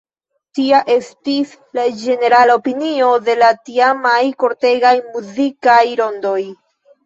Tia estis la ĝenerala opinio de la tiamaj kortegaj muzikaj rondoj.